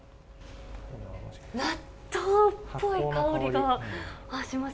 納豆っぽい香りがします。